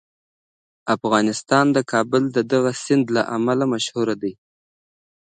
افغانستان د کابل د دغه سیند له امله مشهور دی.